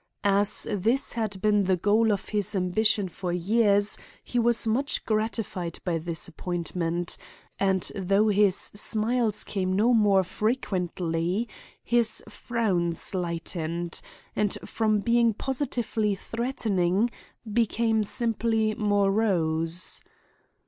As this had been the goal of his ambition for years, he was much gratified by this appointment, and though his smiles came no more frequently, his frowns lightened, and from being positively threatening, became simply morose.